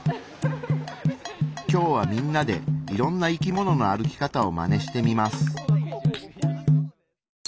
今日はみんなでいろんな生きものの歩き方をマネしてみます。